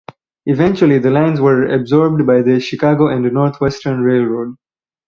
Eventually, the lines were absorbed by the Chicago and North Western Railroad.